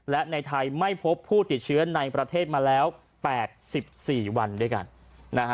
และในไทยไม่พบผู้ติดเชื้อในประเทศมาแล้ว๘๔วันด้วยกันนะฮะ